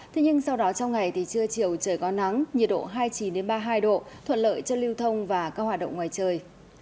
thế nhưng sau đó trong ngày thì trưa chiều trời có nắng nhiệt độ hai mươi chín ba mươi hai độ thuận lợi cho lưu thông và các hoạt động ngoài trời